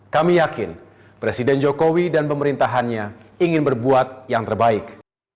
kami yakin presiden jokowi dan pemerintahannya ingin berbuat yang terbaik